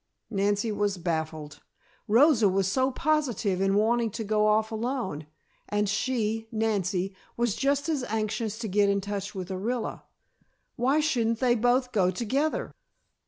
Nancy was baffled. Rosa was so positive in wanting to go off alone. And she, Nancy, was just as anxious to get in touch with Orilla. Why shouldn't they both go together?